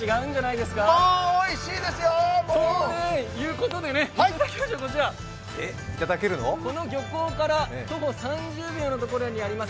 まあおいしいですよ。ということで、こちらこの漁港から徒歩３０秒のところにあります